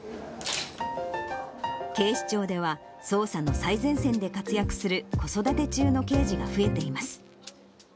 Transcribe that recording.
警視庁では、捜査の最前線で活躍する子育て中の刑事が増えています。